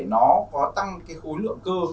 nó có tăng cái khối lượng cơ